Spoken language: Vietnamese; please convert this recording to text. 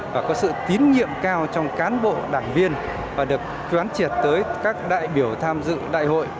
và có sự tín nhiệm cao trong cán bộ đảng viên và được quán triệt tới các đại biểu tham dự đại hội